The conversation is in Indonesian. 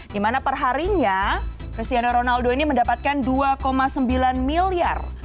dimana perharinya cristiano ronaldo ini mendapatkan dua sembilan miliar